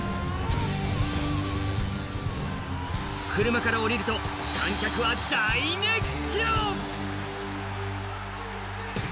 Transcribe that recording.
車から降りると観客は大熱狂。